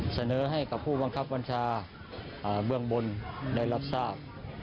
เสนอให้กับผู้บังคับบัญชาเบื้องบนได้รับทราบ